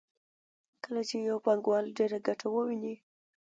کله چې یو پانګوال ډېره ګټه وویني